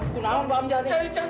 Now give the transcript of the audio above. gunaung pak hamzah teh